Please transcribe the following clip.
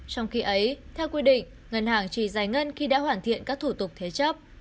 trong khi ấy theo quy định ngân hàng chỉ giải ngân khi đã hoàn thiện các thủ tục thế chấp